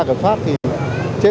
trường hợp xe máy điện